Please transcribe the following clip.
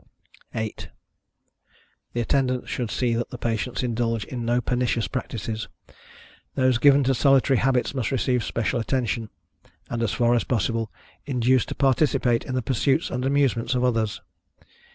8. The Attendants should see that the patients indulge in no pernicious practices; those given to solitary habits must receive special attention, and, as far as possible, induced to participate in the pursuits and amusements of others.